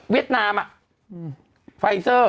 เวียดนามไฟเซอร์